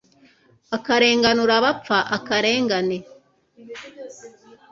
akarenganura abapfa akarengane